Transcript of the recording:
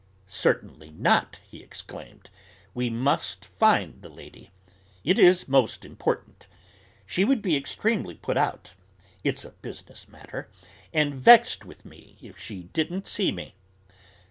"Certainly not!" he exclaimed. "We must find the lady. It is most important. She would be extremely put out it's a business matter and vexed with me if she didn't see me."